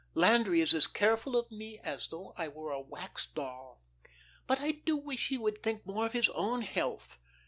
Landry is as careful of me as though I were a wax doll. But I do wish he would think more of his own health.